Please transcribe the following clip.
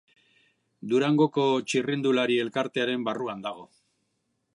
Durangoko Txirrindulari Elkartearen barruan dago.